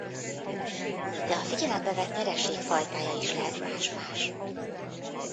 De a figyelembe vett nyereség fajtája is lehet más-más.